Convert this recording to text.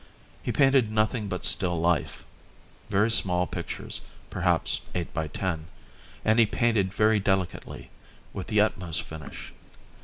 He painted nothing but still life, very small pictures, perhaps eight by ten; and he painted very delicately, with the utmost finish.